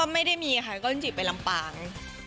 ไม่ได้ปงค์ก็ไปลำปาง